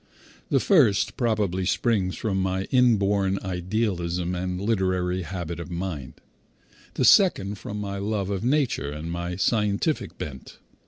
The first probably springs from my inborn idealism and literary habit of mind; the second from my love of nature and my scientific bent.